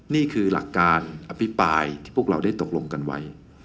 นี่คือหลักการอภิปรายที่พวกเราได้ตกลงกันไว้